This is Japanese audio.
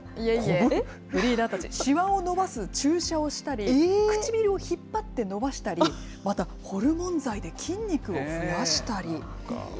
ブリーダーたち、しわを伸ばす注射をしたり、唇を引っ張って伸ばしたり、また、ホルモン剤で筋肉を増やしたり。